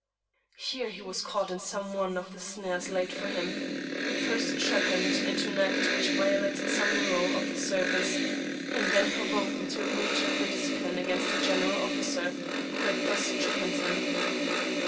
Here he was caught in some one of the snares laid for him ; first trepanned into an act which violated some rule of the service ; and then provoked into a breach of dis cipline against the general officer who had thus trepanned him.